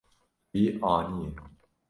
Wî aniye.